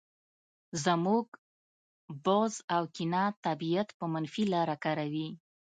زموږ بغض او کینه طبیعت په منفي لاره کاروي